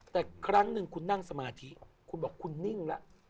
แต่ครั้งหนึ่งคุณนั่งสมาธิคุณบอกคุณนิ่งแล้ว